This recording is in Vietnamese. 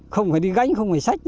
không phải đi gánh không phải xách